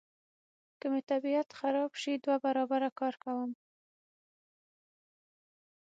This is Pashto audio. که مې طبیعت خراب شي دوه برابره کار کوم.